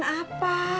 tuh kan apa